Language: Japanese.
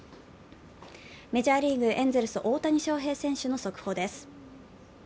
メジャーリーグエンゼルスの大谷翔平選手の速報です。